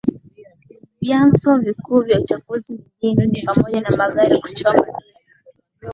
Vyanzo vikuu vya uchafuzi mijini ni pamoja na magari kuchoma gesi